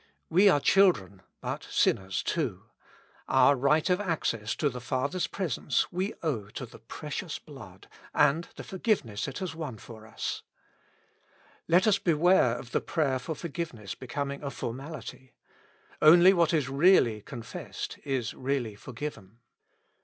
We are children, but sinners, too ; our right of access to the Father's presence we owe to the precious blood and the for giveness it has won for us. Let us beware of the 36 With Christ in the School of Prayer. prayer for forgiveness becoming a formahty ; only what is really confessed is really forgiven.